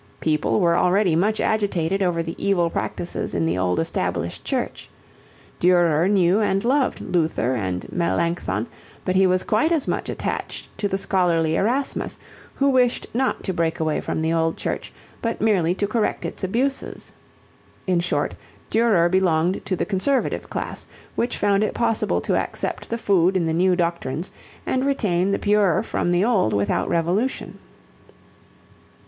People were already much agitated over the evil practices in the old established church. Durer knew and loved Luther and Melancthon but he was quite as much attached to the scholarly Erasmus, who wished not to break away from the old church, but merely to correct its abuses. In short Durer belonged to the Conservative class which found it possible to accept the food in the new doctrines and retain the pure from the old without revolution.